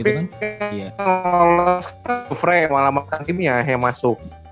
tapi kalau lalu frame malah maksimal timnya yang masuk